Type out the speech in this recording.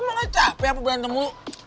emang itu apa ya apa berantem lo